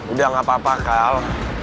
udah gak apa apa kali